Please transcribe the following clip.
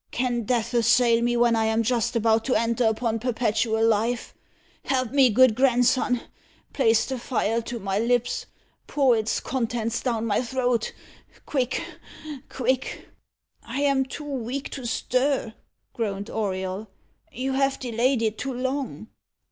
"Can death assail me when I am just about to enter upon perpetual life? Help me, good grandson! Place the phial to my lips. Pour its contents down my throat quick! quick!" [Illustration: The Elixir of Long Life.] "I am too weak to stir," groaned Auriol. "You have delayed it too long."